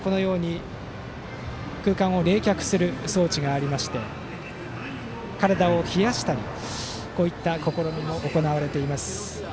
空間を冷却する装置がありまして体を冷やしたりできるという試みも行われています。